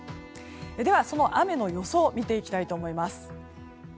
では、その雨の予想見ていきたいと思います。